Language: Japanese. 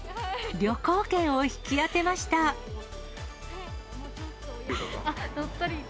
旅行券を引き当てました。